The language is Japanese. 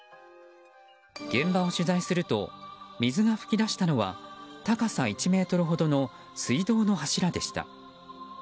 現場を取材すると水が噴き出したのは高さ１ｍほどの水道の柱でした。